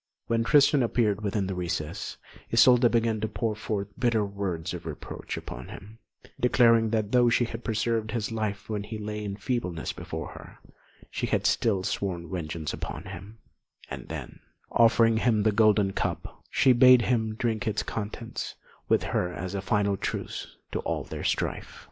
When Tristan appeared within the recess, Isolda began to pour forth bitter words of reproach upon him, declaring that though she had preserved his life when he lay in feebleness before her, she had still sworn vengeance upon him; and then, offering him the golden cup, she bade him drink its contents with her as a final truce to all their strife.